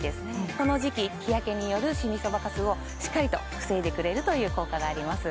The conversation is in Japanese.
この時期日焼けによるシミ・そばかすをしっかりと防いでくれるという効果があります